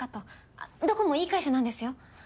あっどこもいい会社なんですよ。